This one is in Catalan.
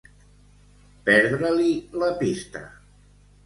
Perdre-li la pista.